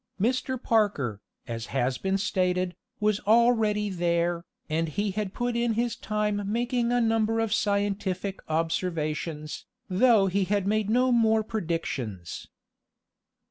Mr. Parker, as has been stated, was already there, and he had put in his time making a number of scientific observations, though he had made no more predictions.